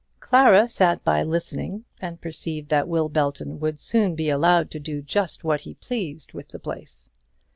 Clara sat by listening, and perceived that Will Belton would soon be allowed to do just what he pleased with the place.